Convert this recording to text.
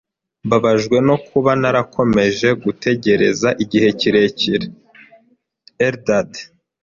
Mbabajwe no kuba narakomeje gutegereza igihe kirekire. (Eldad)